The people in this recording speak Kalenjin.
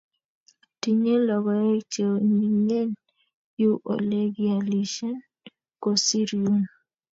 tinyei logoek cheonyinyen yuu olegealishen kosiir yuun